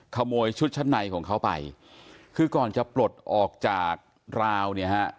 ขโมยชุดชั้นในของเขาไปคือก่อนจะปลดออกจากราวเนี่ยฮะ